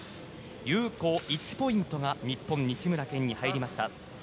有効、１ポイントが日本の西村拳に入りました。